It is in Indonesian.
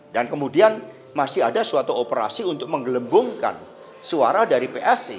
dan kemudian masih ada suatu operasi untuk menggelembungkan suara dari psi